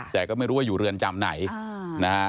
แต่ก็ไม่รู้ว่าอยู่เรือนจำไหนนะฮะ